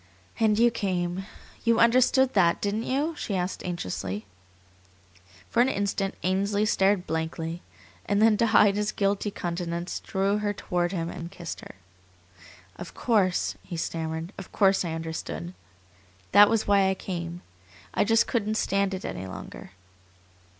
"And you came. You understood that, didn't you?" she asked anxiously. For an instant Ainsley stared blankly, and then to hide his guilty countenance drew her toward him and kissed her. "Of course," he stammered "of course I understood. That was why I came. I just couldn't stand it any longer."